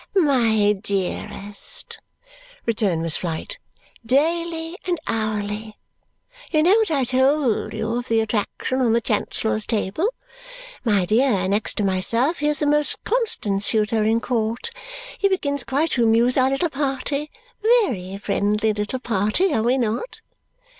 "My dearest," returned Miss Flite, "daily and hourly. You know what I told you of the attraction on the Chancellor's table? My dear, next to myself he is the most constant suitor in court. He begins quite to amuse our little party. Ve ry friendly little party, are we not?"